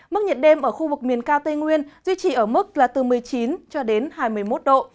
mức nhiệt đêm ở khu vực miền cao tây nguyên duy trì ở mức là từ một mươi chín cho đến hai mươi một độ